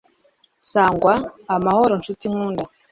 sangw'amahoro ncuti nkunda